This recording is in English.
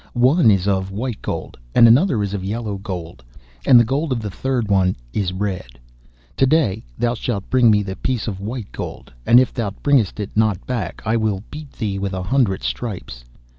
One is of white gold, and another is of yellow gold, and the gold of the third one is red. To day thou shalt bring me the piece of white gold, and if thou bringest it not back, I will beat thee with a hundred stripes.